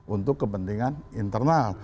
untuk kepentingan internal